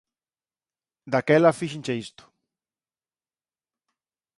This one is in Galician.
Daquela fíxenche isto.